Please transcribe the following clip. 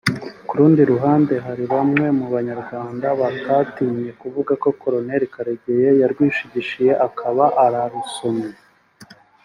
Ku rundi ruhande hari bamwe mu banyarwanda batatinye kuvuga ko Col Karegeya yarwishigishiye akaba arusomye